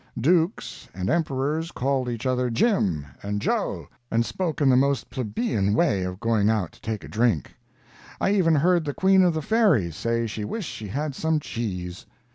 Dukes and Emperors called each other "Jim" and "Joe," and spoke in the most plebeian way of going out to take a drink. I even heard the Queen of the Fairies say she wished she had some cheese.